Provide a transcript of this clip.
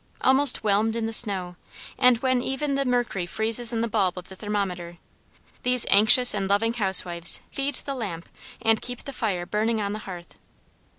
Almost whelmed in the snow, and when even the mercury freezes in the bulb of the thermometer, these anxious and loving housewives feed the lamp and keep the fire burning on the hearth.